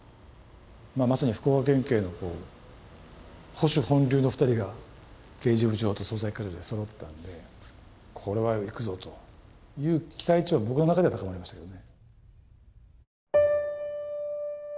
まさに福岡県警の保守本流の２人が刑事部長と捜査一課長でそろったんでこれはいくぞという期待値は僕の中では高まりましたけどね。